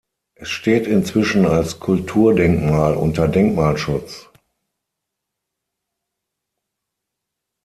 Es steht inzwischen als Kulturdenkmal unter Denkmalschutz.